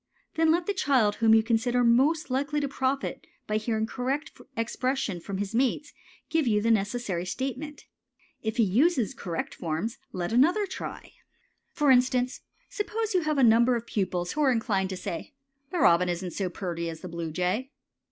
Then let the child whom you consider most likely to profit by hearing correct expression from his mates give you the necessary statement. If he use correct forms, let another try. For instance, suppose you have a number of pupils who are inclined to say "The robin isn't so purty as the bluejay."